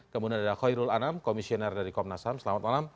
kemudian ada khairul anam komisioner dari komnas ham selamat malam